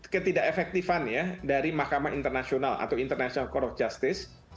ketidak efektifan ya dari mahkamah internasional atau international cour of justice